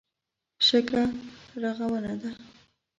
شګه رغونه ده.